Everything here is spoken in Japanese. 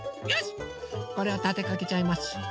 これをたてかけちゃいます。